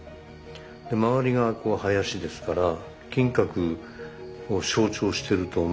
で周りが林ですから金閣を象徴してると思うんですけど。